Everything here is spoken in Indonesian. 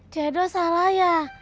jadul salah ya